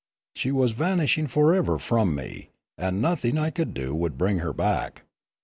She was vanishing for ever from me, and nothing I could do would bring her back.